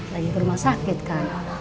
lagi ke rumah sakit kan